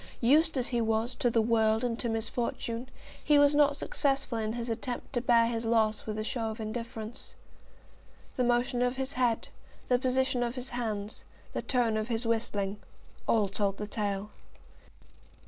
Used as he was to the world and to misfortune, he was not successful in his attempt to bear his loss with a show of indifference. The motion of his head, the position of his hands, the tone of his whistling, all told the tale.